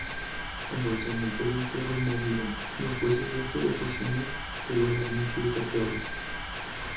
Cuando el cementerio fue removido, los huesos de este asesino serial habían sido saqueados.